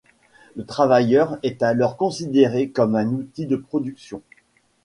Le travailleur est alors considéré comme un outil de production.